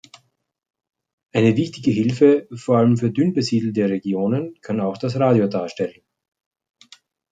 Eine wichtige Hilfe, vor allem für dünnbesiedelte Regionen, kann auch das Radio darstellen.